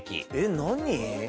何？